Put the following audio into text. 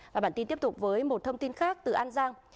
và bản tin tiếp tục với một thông tin khác từ an giang